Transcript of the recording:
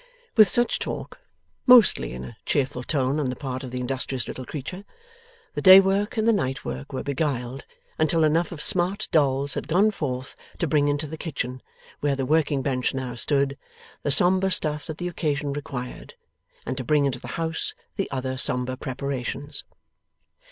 With such talk, mostly in a cheerful tone on the part of the industrious little creature, the day work and the night work were beguiled until enough of smart dolls had gone forth to bring into the kitchen, where the working bench now stood, the sombre stuff that the occasion required, and to bring into the house the other sombre preparations.